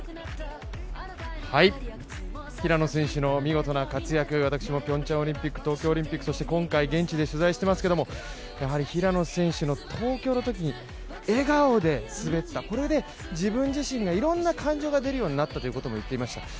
平野選手の見事な活躍、私もピョンチャンオリンピック、東京オリンピックそして今回現地で取材していますが平野選手、東京のときに笑顔で滑ったこれで自分自身が、いろんな感情が出るようになったということも言ってました。